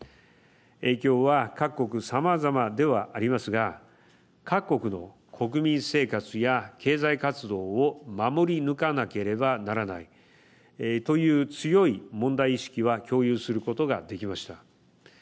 影響は各国さまざまではありますが各国の国民生活や経済活動を守り抜かなければならない。という強い問題意識は共有することができました。